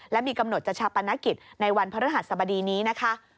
และมีกำหนดจะชาปนกิจในวันพระฤหัสสบดีนี้นะคะ